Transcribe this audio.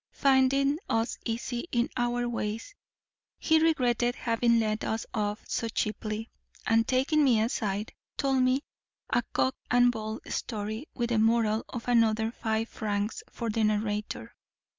Finding us easy in our ways, he regretted having let us off so cheaply; and taking me aside, told me a cock and bull story with the moral of another five francs for the narrator.